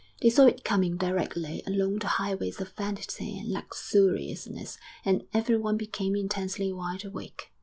They saw it coming directly along the highways of Vanity and Luxuriousness; and everyone became intensely wide awake.